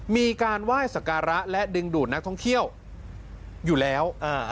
มีการไหว้สการะและดึงดูดนักท่องเที่ยวอยู่แล้ว